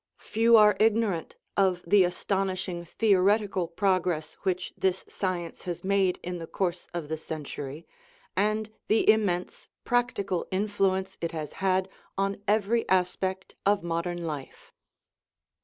Few are ignorant of the astonish ing theoretical progress which this science has made in the course of the century and the immense practical influence it has had on every aspect of modern life.